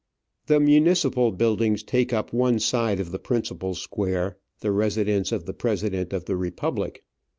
The municipal buildings take up one side of the principal square, the residence of the President of the Republic.